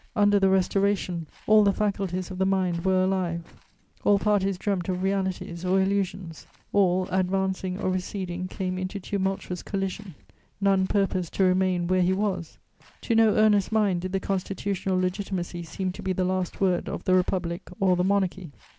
Under the Restoration, all the faculties of the mind were alive; all parties dreamt of realities or illusions; all, advancing or receding, came into tumultuous collision; none purposed to remain where he was; to no earnest mind did the Constitutional Legitimacy seem to be the last word of the Republic or the Monarchy.